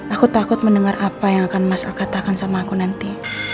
aku takut mendengar apa yang akan mas al katakan sama aku nanti